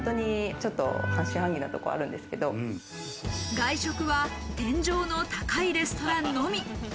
外食は天井の高いレストランのみ。